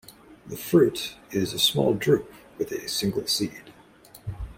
The fruit is a small drupe with a single seed.